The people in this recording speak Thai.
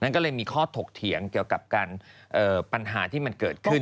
ก็เลยมีข้อถกเถียงเกี่ยวกับการปัญหาที่มันเกิดขึ้น